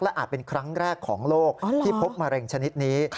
อาจเป็นครั้งแรกของโลกที่พบมะเร็งชนิดนี้